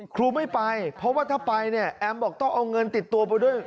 ครูไม่ไปเพราะว่าถ้าไปเนี่ยแอมบอกต้องเอาเงินติดตัวไปด้วย